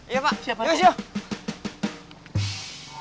iya pak siap siap